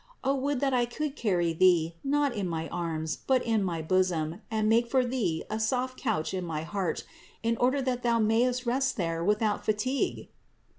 O would that I could carry Thee, not in my arms, but in my bosom and make for Thee a soft couch in my heart, in order that Thou mayest rest there without fatigue